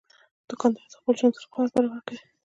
دوکاندار د خپلو جنسونو قیمت برابر کوي.